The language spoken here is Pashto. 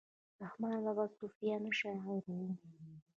رحمان بابا صوفیانه شاعر وو.